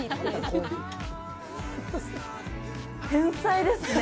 天才ですね！